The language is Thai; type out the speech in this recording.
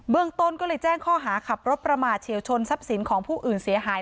ต้นก็เลยแจ้งข้อหาขับรถประมาทเฉียวชนทรัพย์สินของผู้อื่นเสียหาย